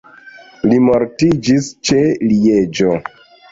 Li mortiĝis ĉe Lieĝo.